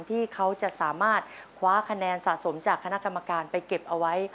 ที่เขาจะสามารถคว้าคะแนนสะสมจากคณะกรรมการไปเก็บเอาไว้